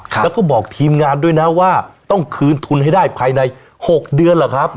แล้วก็บอกทีมงานด้วยนะว่าต้องคืนทุนให้ได้ภายใน๖เดือนเหรอครับ